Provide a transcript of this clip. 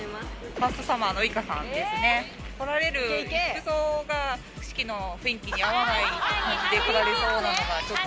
ファーストサマーウイカさんですね。来られる服装が、式の雰囲気に合わない感じで来られそうなのがちょっと。